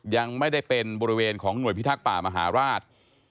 ยังไม่ได้เป็นบริเวณของหน่วยพิทักษ์ป่ามหาราช